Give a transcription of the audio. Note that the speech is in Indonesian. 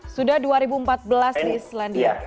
sudah dua ribu empat belas di islandia